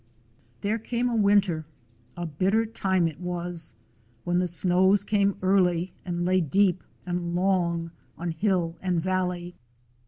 There came a winter, a bitter time it was, when the snows came early and lay deep and long on hill and valley.